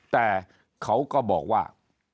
แต่เขาก็บอกว่า